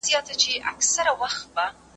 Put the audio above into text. تر رنګ لاندې توري د ساینس په مرسته لوستل کیږي.